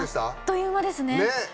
あっという間ですね。